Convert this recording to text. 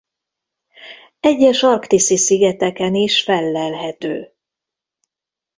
Egyes arktiszi szigeteken is fellelhető.